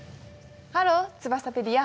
ハローツバサペディア。